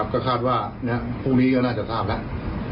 ก็คาดว่าพรุ่งนี้ก็น่าจะทราบแล้ว